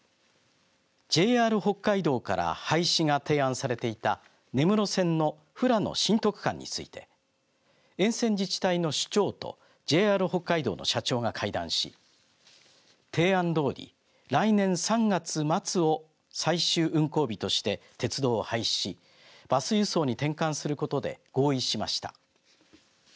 ＪＲ北海道から廃止が提案されていた根室線の富良野・新得間について沿線自治体の首長とＪＲ北海道の社長が会談し提案通り来年３月末を最終運行日として鉄道を廃止しバス輸送に転換することで合意しました。